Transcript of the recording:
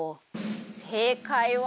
せいかいは。